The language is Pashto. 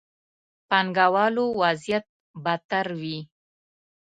پانګه والو وضعيت بدتر وي.